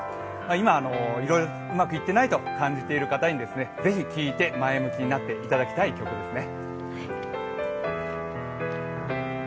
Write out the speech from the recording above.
今、いろいろうまくいってないと感じている方にぜひ聴いて、前向きになっていただきたい曲ですね。